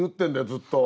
ずっと。